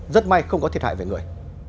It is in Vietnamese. rất may không có thiệt hại về người